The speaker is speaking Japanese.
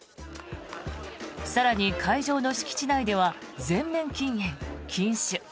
更に、会場の敷地内では全面禁煙・禁酒。